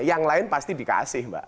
yang lain pasti dikasih mbak